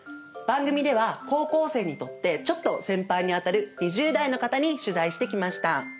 番組では高校生にとってちょっと先輩にあたる２０代の方に取材してきました。